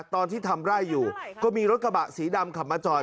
ตอนที่ทำไร่อยู่ก็มีรถกระบะสีดำขับมาจอด